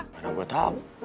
karena gue tau